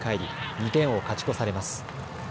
２点を勝ち越されます。